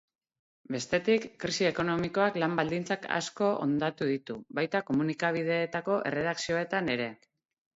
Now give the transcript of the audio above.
Bestetik krisi ekonomikoak lan baldintzak asko hondatu ditu, baita komunikabideetako erredakzioetan ere.